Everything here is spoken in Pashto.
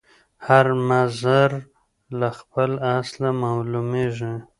هر مضر له خپله اصله معلومیږي